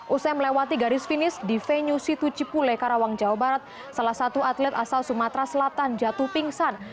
usai melewati garis finis di venue situ cipuleka rawang jawa barat salah satu atlet asal sumatra selatan jatuh pingsan